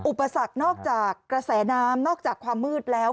อุปสรรคนอกจากกระแสน้ำนอกจากความมืดแล้ว